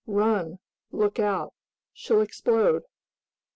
Run! Look out! She'll explode!"